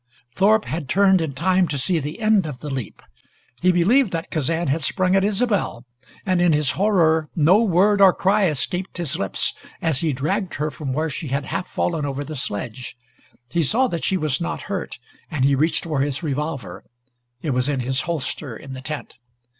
Thorpe had turned in time to see the end of the leap. He believed that Kazan had sprung at Isobel, and in his horror no word or cry escaped his lips as he dragged her from where she had half fallen over the sledge. He saw that she was not hurt, and he reached for his revolver. It was in his holster in the tent.